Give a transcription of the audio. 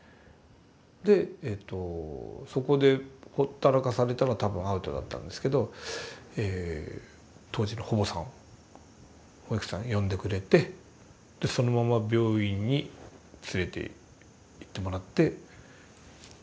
でえとそこでほったらかされたら多分アウトだったんですけど当時の保母さん保育士さん呼んでくれてそのまま病院に連れて行ってもらって九死に一生を得ると。